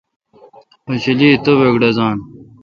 خوشیلی توبک ڈزان۔